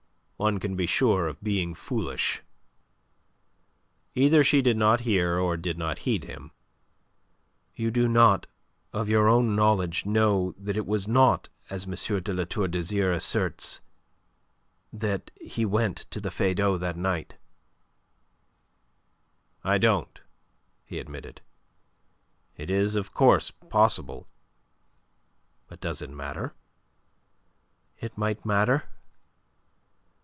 One can be sure of being foolish." Either she did not hear or did not heed him. "You do not of your own knowledge know that it was not as M. de La Tour d'Azyr asserts that he went to the Feydau that night?" "I don't," he admitted. "It is of course possible. But does it matter?" "It might matter.